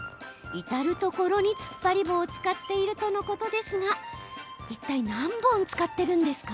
至る所につっぱり棒を使っているとのことですが何本使っているんですか？